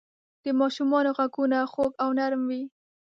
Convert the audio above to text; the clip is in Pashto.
د ماشومانو ږغونه خوږ او نرم وي.